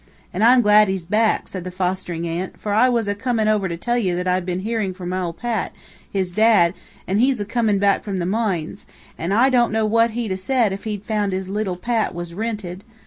"An' I'm glad he's back," said the fostering aunt, "for I was a coomin' over to till ye that I've been hearin' from owle Pat, his dad, an' he's a coomin' back from the moines, and I don't know what he'd a' said if he'd found his leetle Pat was rinted.